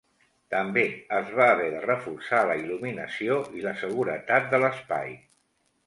També es va haver de reforçar la il·luminació i la seguretat de l’espai.